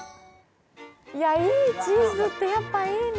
いや、いい、チーズってやっぱいいね。